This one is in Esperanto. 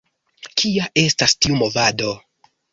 Kia estas tiu movado?